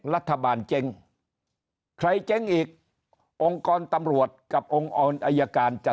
รัฐบาลเจ๊งใครเจ๊งอีกองค์กรตำรวจกับองค์กรอายการจะ